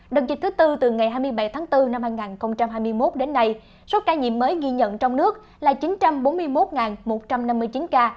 đợt dịch thứ tư từ ngày hai mươi bảy tháng bốn năm hai nghìn hai mươi một đến nay số ca nhiễm mới ghi nhận trong nước là chín trăm bốn mươi một một trăm năm mươi chín ca